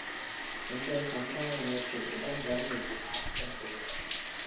இன்றைய சமுதாய அமைப்பில் உடல் வலிமைமே ஆதிக்கம் செய்கிறது.